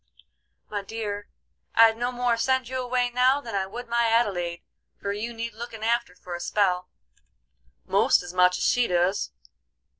"My dear, I'd no more send you away now than I would my Adelaide, for you need looking after for a spell, most as much as she doos.